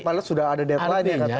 padahal sudah ada deadline nya